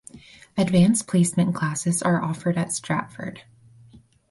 Advanced Placement classes are offered at Stratford.